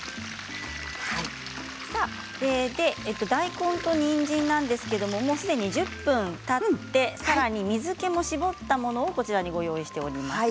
大根とにんじんなんですがすでに１０分たってさらに水けを絞ったものをご用意してあります。